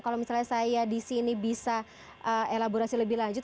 kalau misalnya saya di sini bisa elaborasi lebih lanjut